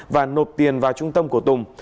và nộp tiền vào trung tâm của tùng